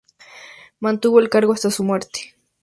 Mantuvo el cargo hasta su muerte.